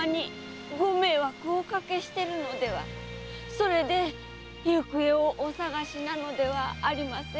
それで行方をお捜しなのではありませんか？